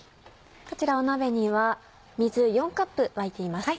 こちら鍋には水４カップ沸いています。